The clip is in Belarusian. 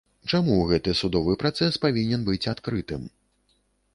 Чаму гэты судовы працэс павінен быць адкрытым?